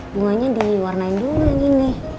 bunganya diwarnain dulu yang ini